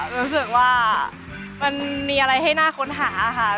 รู้สึกว่ามันมีอะไรให้น่าค้นหาค่ะ